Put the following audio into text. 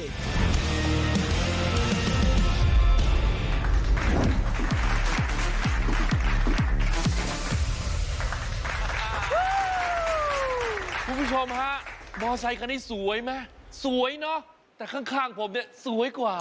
คุณผู้ชมฮะมอเซคันนี้สวยไหมสวยเนอะแต่ข้างผมเนี่ยสวยกว่า